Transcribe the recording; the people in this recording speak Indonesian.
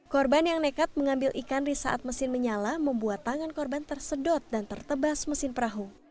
korban yang nekat mengambil ikan di saat mesin menyala membuat tangan korban tersedot dan tertebas mesin perahu